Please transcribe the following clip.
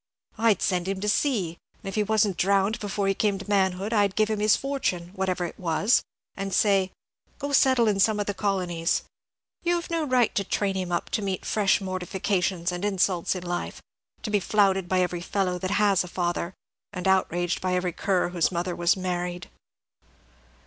I'd send him to sea, and if he wasn't drowned before he came to manhood, I'd give him his fortune, whatever it was, and say, 'Go settle in some of the colonies.' You have no right to train him up to meet fresh mortifications and insults in life; to be flouted by every fellow that has a father, and outraged by every cur whose mother was married."